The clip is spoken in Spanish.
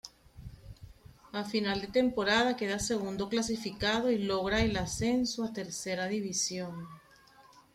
A final de temporada queda segundo clasificado y logra el ascenso a Tercera división.